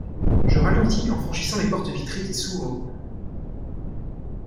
Je ralentis en franchissant les portes vitrées qui s’ouvrent.